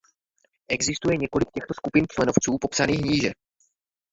Existuje několik těchto skupin členovců popsaných níže.